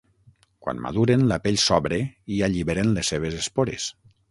Quan maduren, la pell s'obre i alliberen les seves espores.